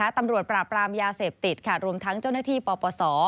ตำรวจปราบรามยาเสพติดรวมทั้งเจ้าหน้าที่ปปศ